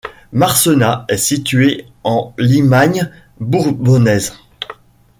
Marcenat est située en Limagne bourbonnaise.